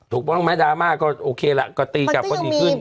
ถูกต้องไหมดราม่าก็โอเคล่ะก็ตีกลับก็ดีขึ้น